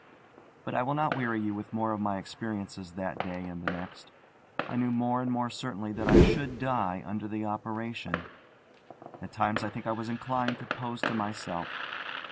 But I will not weary you with more of my experiences that day and the next. I knew more and more certainly that I should die under the operation; at times I think I was inclined to pose to myself.